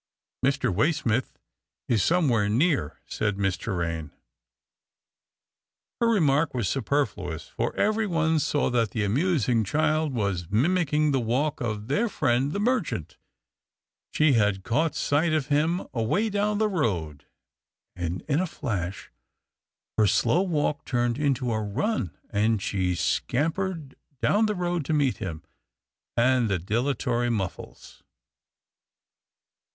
" Mr. Waysmith is somewhere near," said Miss Torraine. Her remark was superfluous, for everyone saw that the amusing child was mimicking the walk of their friend the merchant. She had caught sight of him away down the road, and, in a flash, her slow walk turned into a run, and she scampered down the road to meet him, and the dilatory Muffles.